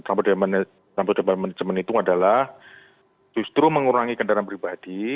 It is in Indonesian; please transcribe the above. transport demand management itu adalah justru mengurangi kendaraan pribadi